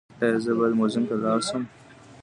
ایا زه باید موزیم ته لاړ شم؟